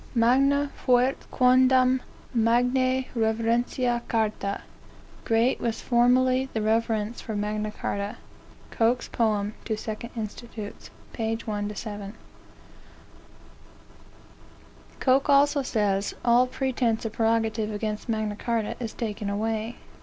"Magna fuit quondam magnae reverentia chartae." (Great was formerly the reverence for Magna Carta.) Coke's Proem to 2 Inst., p. 1 to 7. Coke also says, "All pretence of prerogative against Magna Charta is taken away."